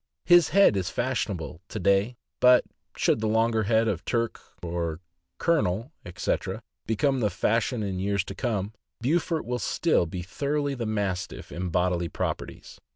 His head is fashionable to day, but should the longer head of Turk, Colonel, etc., become the fashion in years to come, Beaufort will still be thoroughly the Mastiff in bodily properties.